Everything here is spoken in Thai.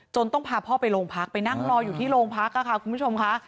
ต้องพาพ่อไปโรงพักไปนั่งรออยู่ที่โรงพักค่ะคุณผู้ชมค่ะ